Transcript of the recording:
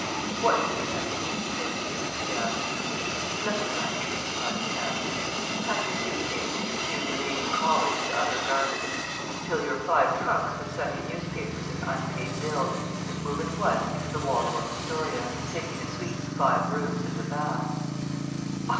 "What would you have me do, Puss?" he asked. "Nothing much," replied the cat. "Just pack your suit case with your few remaining collars and other garments, fill your five trunks with Sunday newspapers and unpaid bills, and move at once into the Waldorf Astoria, taking a suite of five rooms and a bath."